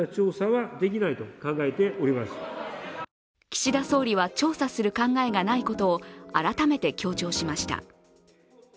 岸田総理は調査する考えがないことを改めて強調しました。